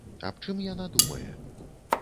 Аб чым яна думае?